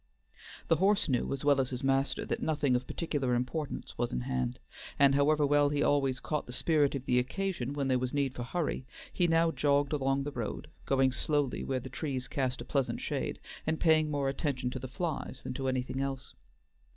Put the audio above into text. The horse knew as well as his master that nothing of particular importance was in hand, and however well he always caught the spirit of the occasion when there was need for hurry, he now jogged along the road, going slowly where the trees cast a pleasant shade, and paying more attention to the flies than to anything else.